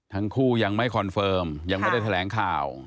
ทั้งคู่ยังไม่คอนเฟิร์มยังไม่ได้แถลงข่าว